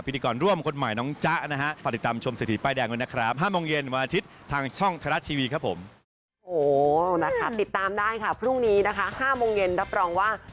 พรุ่งนี้นะคะ๕โมงเย็นรับปรองว่า